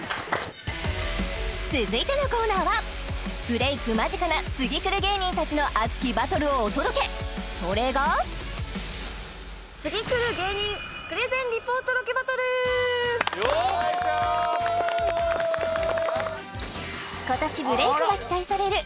続いてのコーナーはブレイク間近な次くる芸人たちの熱きバトルをお届けそれが今年ブレイクが期待される